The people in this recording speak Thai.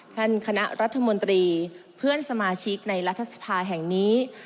คณะรัฐมนตรีเพื่อนสมาชิกในรัฐสภาแห่งนี้